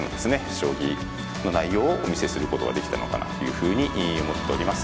将棋の内容をお見せすることができたのかなというふうに思っております。